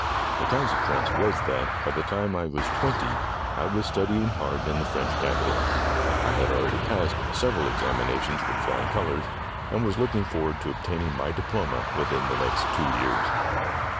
The consequence was that, by the time I was twenty, I was studying hard in the French capital. I had already passed several examinations with flying colours, and was look SOME EXPERIMENTS WITH A HEAD 69 ing forward to obtaining my diploma within the next two years.